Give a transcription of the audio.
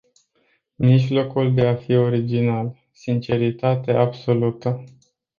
Mijlocul de a fi original: sinceritate absolută.